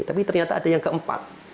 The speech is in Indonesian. tapi ternyata ada yang keempat